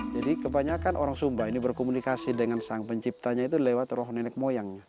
jadi kebanyakan orang sumba ini berkomunikasi dengan sang penciptanya itu lewat roh nenek moyang